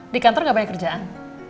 di kantor gak banyak kerjaan